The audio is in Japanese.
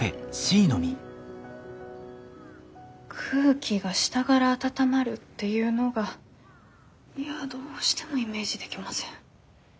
空気が下がら温まるっていうのがいやどうしてもイメージできません。